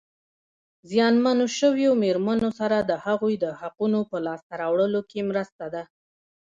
زیانمنو شویو مېرمنو سره د هغوی د حقوقو په لاسته راوړلو کې مرسته ده.